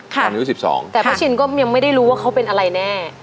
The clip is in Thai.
อายุ๑๒แต่ป้าชินก็ยังไม่ได้รู้ว่าเขาเป็นอะไรแน่